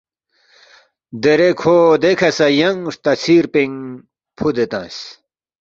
دیرے کھو دیکھہ سہ ینگ ہرتا ژھر پِنگ فُود تنگس